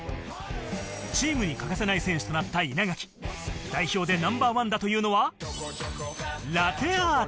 チームに欠かせない選手となった稲垣、代表でナンバーワンだというのはラテアート。